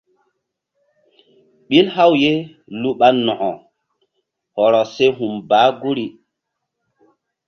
Ɓil haw ye lu ɓa nokk hɔrɔ se hum baah guri.